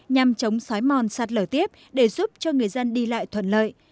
nhằm chống xói mòn sạt lở tiếp để giúp cho người dân đi lại thuận lợi